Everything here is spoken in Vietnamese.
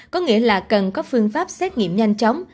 có nghĩa là cần có phương pháp xét nghiệm nhanh chóng